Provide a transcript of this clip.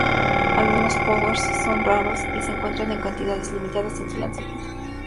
Algunos powers son raros y se encuentran en cantidades limitadas en su lanzamiento.